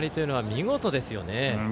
見事ですね。